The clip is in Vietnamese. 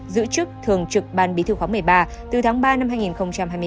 giữ chức thường trực ban bí thư khóa một mươi ba từ tháng ba năm hai nghìn hai mươi bốn